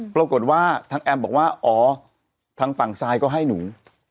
ปรากฏว่าทางแอมบอกว่าอ๋อทางฝั่งทรายก็ให้หนู